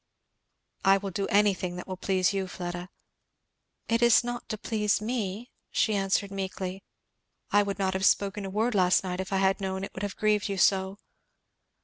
"I will do anything that will please you, Fleda." "It is not to please me, " she answered meekly. "I would not have spoken a word last night if I had known it would have grieved you so."